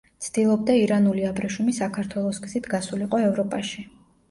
ცდილობდა ირანული აბრეშუმი საქართველოს გზით გასულიყო ევროპაში.